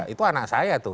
itu anak saya tuh